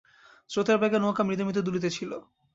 স্রোতের বেগে নৌকা মৃদু মৃদু দুলিতেছিল।